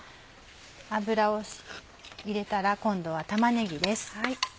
油を入れたら今度は玉ねぎです。